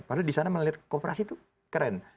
padahal di sana melihat kooperasi itu keren